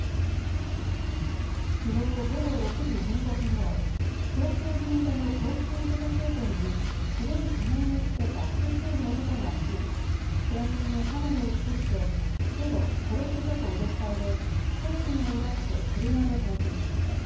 きのう午後６時１５分ごろ、東京銀座の高級腕時計店に白い仮面をつけた複数の男が押し入り店員に刃物を突きつけ伏せろ、殺すぞと脅したうえ商品を奪って車で逃走しました。